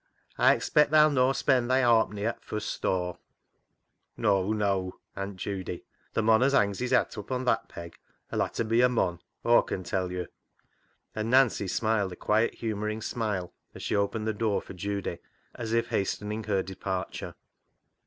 Aw expect tha'll no spend thy haupenny at fust staw'." " Neaw, neaw. Aunt Judy. The mon as hangs his hat up o' that peg 'ull ha' ta be a mon. Aw con tell yo'." And Nancy smiled a quiet, humouring smile as she opened the door for Judy, as if hastening her departure.